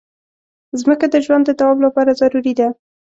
مځکه د ژوند د دوام لپاره ضروري ده.